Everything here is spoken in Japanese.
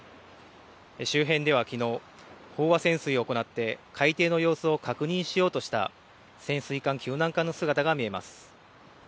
周辺ではきのう、飽和潜水を行って海底の様子を確認しようとした、潜水艦救難艦の姿が見えます。